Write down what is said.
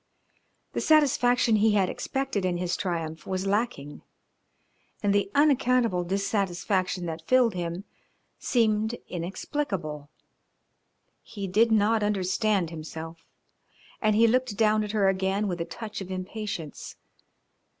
The satisfaction he had expected in his triumph was lacking and the unaccountable dissatisfaction that filled him seemed inexplicable. He did not understand himself, and he looked down at her again with a touch of impatience.